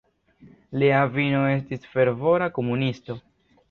Lia avino estis fervora komunisto.